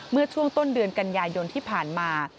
เมื่อช่วงต้นเดือนกันยายนที่ผ่านมา